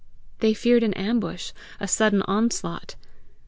They feared an ambush, a sudden onslaught.